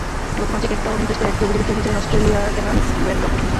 গত মার্চে কেপটাউন টেস্টে একই অভিযোগে ফেঁসেছিলেন অস্ট্রেলিয়ার ক্যামেরন ব্যানক্রফট।